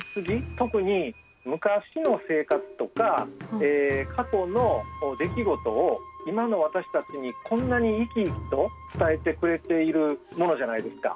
特に昔の生活とか過去の出来事を今の私たちにこんなに生き生きと伝えてくれているものじゃないですか。